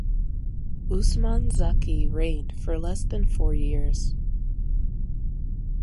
Usman Zaki reigned for less than four years.